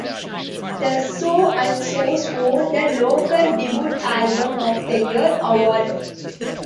The So and So's won the Local Debut Album of the Year award.